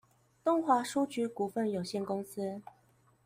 東華書局股份有限公司